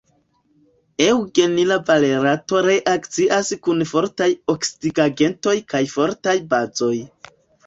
Eŭgenila valerato reakcias kun fortaj oksidigagentoj kaj fortaj bazoj.